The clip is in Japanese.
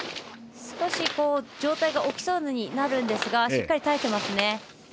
少し上体が起きそうになるんですがしっかり耐えてますね。